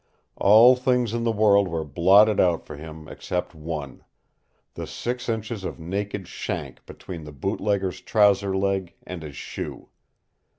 All things in the world were blotted out for him except one the six inches of naked shank between the bootlegger's trouser leg and his shoe.